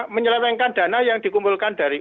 menyelewengkan dana yang dikumpulkan dari